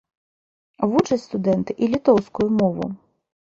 Вучаць студэнты і літоўскую мову.